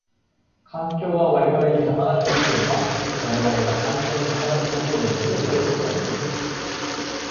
環境が我々に働きかけるのは我々が環境に働きかけるのに依るということもできる。